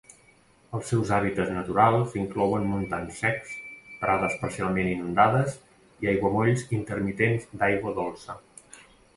Els seus hàbitats naturals inclouen montans secs, prades parcialment inundades i aiguamolls intermitents d'aigua dolça.